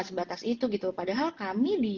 sebatas itu gitu padahal kami di